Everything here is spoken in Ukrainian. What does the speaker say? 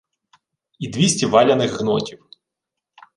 І двісті валяних гнотів.